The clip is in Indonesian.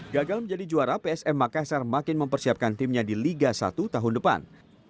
gagal menjadi juara psm makassar makin mempersiapkan timnya di liga satu tahun depan